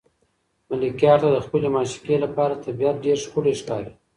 ملکیار ته د خپلې معشوقې لپاره طبیعت ډېر ښکلی ښکاري.